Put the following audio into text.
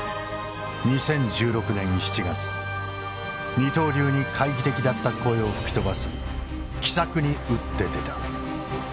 二刀流に懐疑的だった声を吹き飛ばす奇策に打って出た。